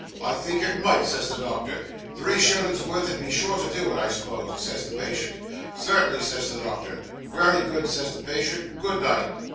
"I think it might," says the doctor. "Three shillins' wurth 'ud be sure to do it, I s'pose?" says the patient. "Certainly," says the doctor. "Wery good," says the patient; "good night."